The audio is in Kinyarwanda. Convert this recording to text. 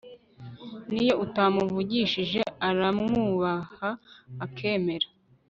niyo utamuvugishije uramwubaha akemera